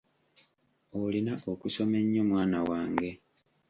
Olina okusoma ennyo mwana wange.